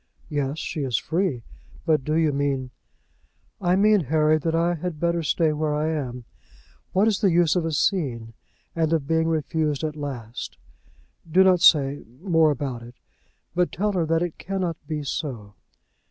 "Yes, she is free. But do you mean ?" "I mean, Harry, that I had better stay where I am. What is the use of a scene, and of being refused at last? Do not say more about it, but tell her that it cannot be so."